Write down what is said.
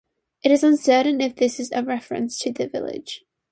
It is uncertain if this is a reference to the village.